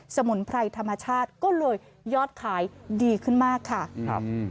สมุนไพรธรรมชาติก็เลยยอดขายดีขึ้นมากค่ะครับ